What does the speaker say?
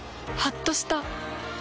はっとした。